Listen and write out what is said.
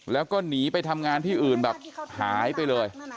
แล้วก็หนีไปทำงานที่อื่นแบบหายไปเลย